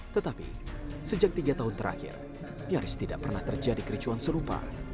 tetapi sejak tiga tahun terakhir nyaris tidak pernah terjadi kericuan serupa